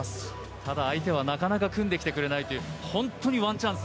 ただ、相手はなかなか組んできてくれないという本当にワンチャンス